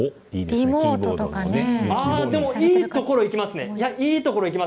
いいところ、いきますね。